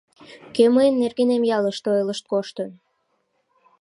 Кӧ мыйын нергенем ялыште ойлышт коштын?